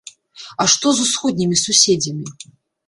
А што з усходнімі суседзямі?